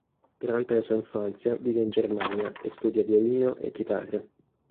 Durante la sua infanzia vive in Germania e studia violino e chitarra.